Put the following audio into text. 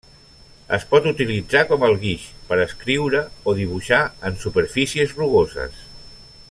Es pot utilitzar com el guix per escriure o dibuixar en superfícies rugoses.